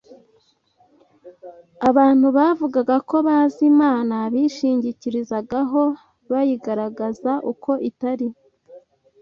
abantu bavugaga ko bazi Imana bishingikirizagaho bayigaragaza uko itari.